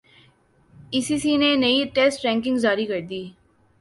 ئی C C نے نئی ٹیسٹ رینکنگ جاری کردی